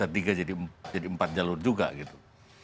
tiga jadi empat jalur juga gitu